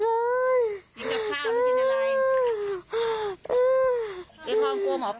อยากได้ร่างอยู่ตรงไหน